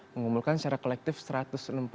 mengumpulkan secara kolektif satu ratus enam puluh satu m